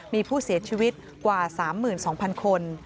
มีผู้เสียชีวิตกว่า๓๒๐๐๐คน